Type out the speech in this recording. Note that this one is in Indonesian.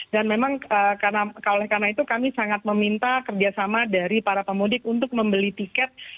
dan memang karena itu kami sangat meminta kerjasama dari para pemudik untuk membeli tiket